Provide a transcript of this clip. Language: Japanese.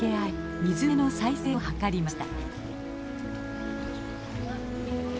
水辺の再生を図りました。